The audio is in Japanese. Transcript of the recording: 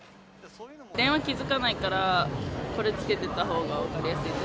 電話気付かないから、これ、つけてたほうが分かりやすい。